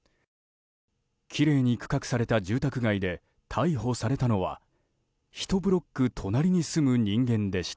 きれいに区画された住宅街で逮捕されたのは１ブロック隣に住む人間でした。